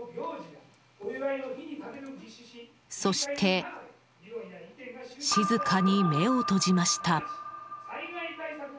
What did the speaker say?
そして、静かに目を閉じました。